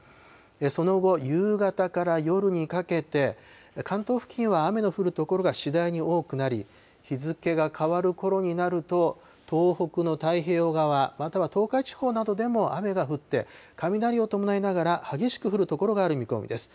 その後、夕方から夜にかけて、関東付近は雨の降る所が次第に多くなり、日付が変わるころになると、東北の太平洋側、または東海地方などでも雨が降って、雷を伴いながら激しく降る所がある見込みです。